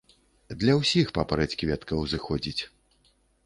Для ўсіх папараць-кветка ўзыходзіць.